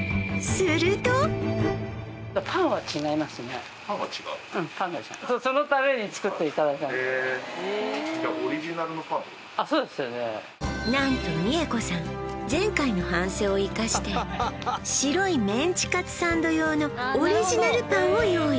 うんパンが違うへえじゃあ何と美恵子さん前回の反省を生かして白いメンチカツサンド用のオリジナルパンを用意